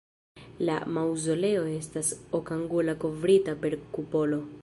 La maŭzoleo estas okangula kovrita per kupolo.